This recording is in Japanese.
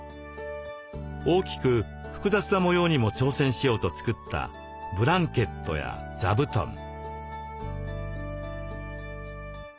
大きく複雑な模様にも挑戦しようと作ったブランケットや座布団。